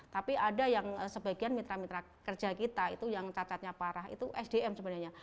tapi ada yang sebagian mitra mitra kerja kita itu yang cacatnya parah itu sdm sebenarnya